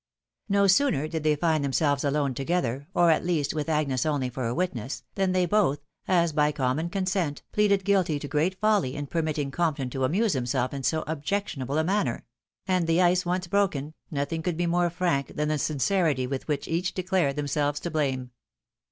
No sooner did they find themselves alone together, or, at least, with Agnes only for a witness, than they both, as by common consent, pleaded guilty to great folly in permitting Compton to amuse himself in so objectionable a manner ; and the ice once broken, nothing could be more frank than the sincerity with which each declared themselves to blame.